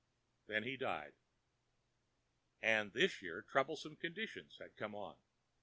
Then he died. And this year troublesome conditions had come on.